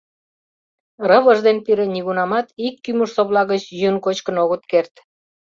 Рывыж ден пире нигунамат ик кӱмыж-совла гыч йӱын-кочкын огыт керт.